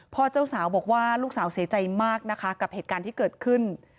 เจ้าสาวบอกว่าลูกสาวเสียใจมากนะคะกับเหตุการณ์ที่เกิดขึ้น